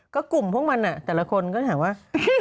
ก็กลุ่มพวกมันแต่ละคนก็ถามว่า